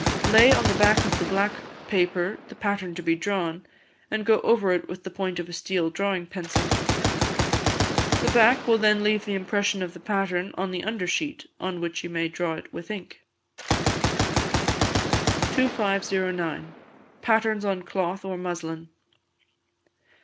Lay on the back of the black paper the pattern to be drawn, and go over it with the point of a steel drawing pencil: the black will then leave the impression of the pattern on the undersheet, on which you may draw it with ink. 2509. Patterns on Cloth or Muslin.